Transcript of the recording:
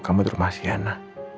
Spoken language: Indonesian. kamu di rumah shena